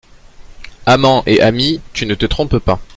Amant et ami, tu ne te trompes pas.